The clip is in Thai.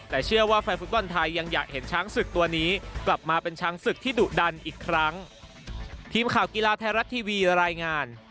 แต่เชื่อว่าแฟนฟุตบอลไทยยังอยากเห็นช้างศึกตัวนี้กลับมาเป็นช้างศึกที่ดุดันอีกครั้ง